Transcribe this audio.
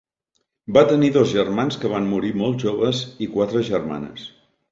Va tenir dos germans que van morir molt joves i quatre germanes.